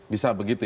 bisa begitu ya